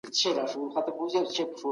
ټولنپوهنه یو اوږد تاریخ خو لنډ ژوند لري.